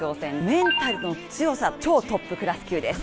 メンタルの強さ、超トップクラス級です。